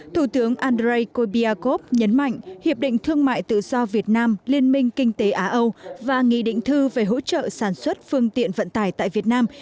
thủ tướng andrei kobiakov nhấn mạnh hiệp định thương mại tự do việt nam liên minh kinh tế á âu và nghị định thư về hỗ trợ sản xuất phương tiện vận tải tại việt nam